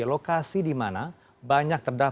nah ini p gottes ya